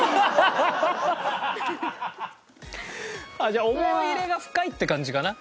じゃあ思い入れが深いって感じかな？